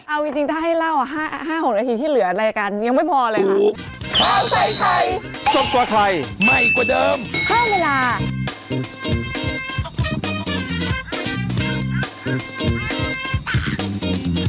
เอาจริงถ้าให้เล่า๕๖นาทีที่เหลือรายการยังไม่พอเลยค่ะ